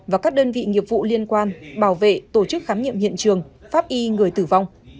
và các đơn vị nghiệp vụ liên quan bảo vệ tổ chức khám nghiệm hiện trường pháp y người tử vong